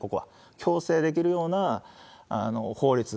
強制できるような法律。